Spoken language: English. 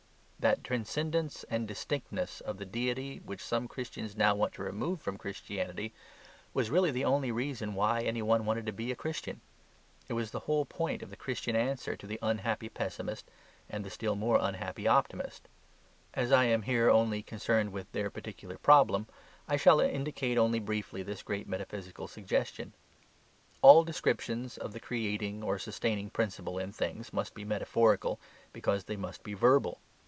That transcendence and distinctness of the deity which some Christians now want to remove from Christianity, was really the only reason why any one wanted to be a Christian. It was the whole point of the Christian answer to the unhappy pessimist and the still more unhappy optimist. As I am here only concerned with their particular problem, I shall indicate only briefly this great metaphysical suggestion. All descriptions of the creating or sustaining principle in things must be metaphorical, because they must be verbal.